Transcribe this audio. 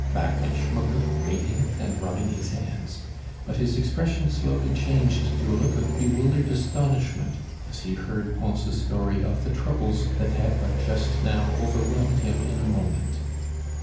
Back went Schmucke, radiant and rubbing his hands; but his expression slowly changed to a look of bewildered astonishment as he heard Pons' story of the troubles that had but just now overwhelmed him in a moment.